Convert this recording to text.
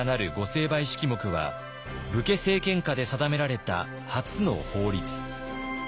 成敗式目は武家政権下で定められた初の法律。